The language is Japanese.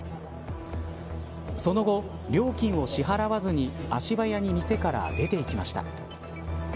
その後、料金を支払わずに足早に店から出てきました。